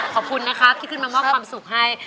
ขอบคุณนะครับที่ขึ้นมามอบความสุขให้